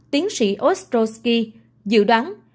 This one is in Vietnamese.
tiến sĩ ostroski dự đoán